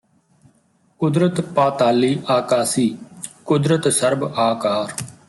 ਕੁਦਰਤਿ ਪਾਤਾਲੀ ਆਕਾਸੀ ਕੁਦਰਤਿ ਸਰਬ ਆਕਾਰੁ